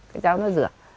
cái cháo nó rửa